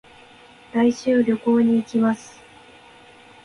来週、旅行に行きます。